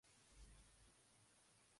¿viviría él?